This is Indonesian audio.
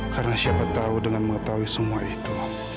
karena siapa tahu dengan mengetahui semua itu